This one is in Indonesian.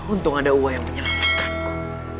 untung ada uang yang menyelamatkanku